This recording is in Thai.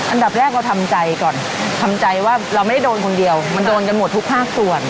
อันดับแรกเราทำใจก่อนทำใจว่าเราไม่ได้โดนคนเดียวมันโดนกันหมดทุกภาคส่วน